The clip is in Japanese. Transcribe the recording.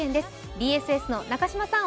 ＢＳＳの中島さん